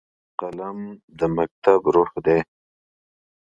قلم د مکتب روح دی